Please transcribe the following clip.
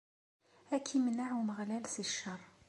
Ad k-imneɛ Umeɣlal si ccer.